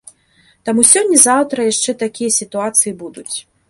Таму сёння-заўтра яшчэ такія сітуацыі будуць.